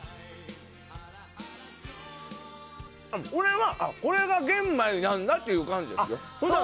俺は、これが玄米なんだという感じですね。